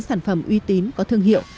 sản phẩm uy tín có thương hiệu